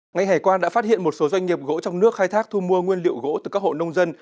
ngành hải quan đã phát hiện một số doanh nghiệp gỗ trong nước khai thác thu mua nguyên liệu gỗ từ các hộ nông dân